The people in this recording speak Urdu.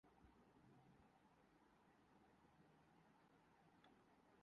سوات کرنا ریاست نے پاکستان کا ساتھ الحاق کرنا ہونا